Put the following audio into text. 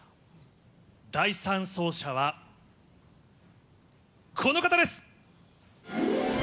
第３走者はこの方です。